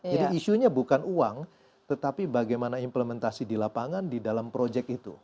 jadi isunya bukan uang tetapi bagaimana implementasi di lapangan di dalam proyek itu